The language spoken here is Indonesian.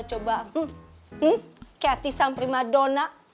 coba hmm hmm keati sang prima donna